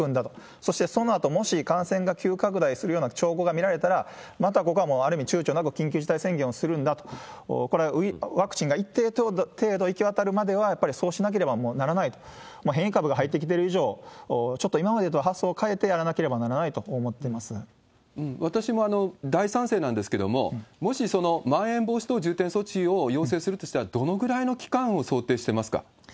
そしてそのあと、もし感染が急拡大するような兆候が見られたら、またここはもうある意味ちゅうちょなく緊急事態宣言をするんだと、これはワクチンが一定程度行き渡るまでは、やっぱりそうしなければならないと、変異株が入ってきてる以上、ちょっと今までとは発想を変えてやらなければならないと思ってま私も大賛成なんですけれども、もしまん延防止等重点措置を要請するとしたら、どのぐらいの期間を想定してますか。